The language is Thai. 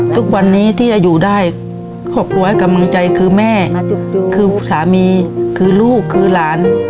ทุกวันนี้ที่จะอยู่ได้ครอบครัวให้กำลังใจคือแม่คือสามีคือลูกคือหลาน